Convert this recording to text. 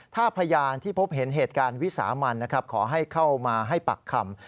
ถ้าข้อมูลที่พบเห็นเหตุการณ์วิสามันขอให้เข้ามาให้ปักคำ